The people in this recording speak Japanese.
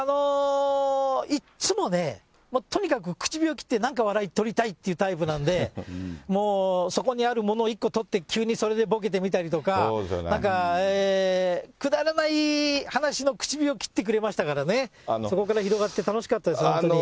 いっつもね、もうとにかく口火を切ってなんか笑いを取りたいっていうタイプなんで、そこにあるものを１個取って、急にそれでぼけてみたりとか、なんか、くだらない話の口火を切ってくれましたからね、そこから広がって楽しかったです、本当に。